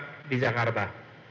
masyarakat di jakarta